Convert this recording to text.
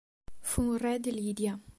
Fu un Re di Lidia.